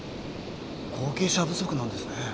後継者不足なんですね。